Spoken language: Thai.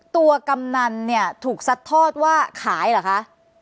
ตัวกำนันถูกชัดทอดว่าขายเหรอคะ